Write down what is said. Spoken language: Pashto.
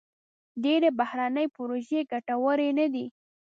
ډېری بهرني پروژې ګټورې نه دي.